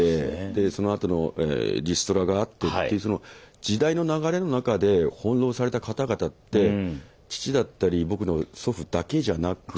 でそのあとのリストラがあってっていうその時代の流れの中で翻弄された方々って父だったり僕の祖父だけじゃなく。